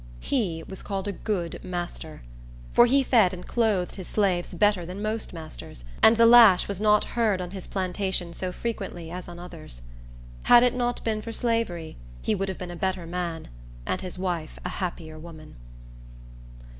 He was called a good master; for he fed and clothed his slaves better than most masters, and the lash was not heard on his plantation so frequently as on many others. Had it not been for slavery, he would have been a better man, and his wife a happier woman.